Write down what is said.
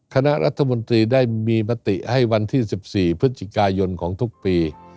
คณะรัฐมนตรีได้มีมติให้วันที่๑๔พฤศจิกายนของทุกปี